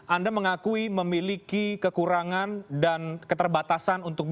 anda mengakui memiliki kekurangan dan keterbatasan